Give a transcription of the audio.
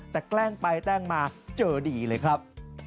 แต่แกล้งไปแกล้งมาเจอดีเลยครับ